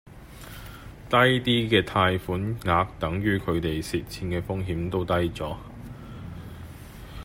低啲嘅貸款額等於佢地蝕錢嘅風險都低左